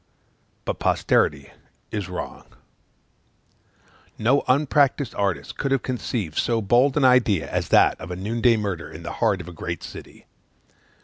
But posterity is wrong; no unpractised artist could have conceived so bold an idea as that of a noon day murder in the heart of a great city.